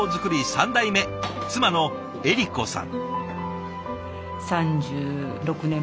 ３代目妻の恵利子さん。